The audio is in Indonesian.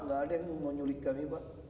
tenang pak gak ada yang mau nyulik kami pak